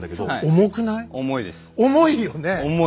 重いよねえ？